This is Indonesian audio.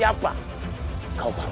aku akan mencari kekuatanmu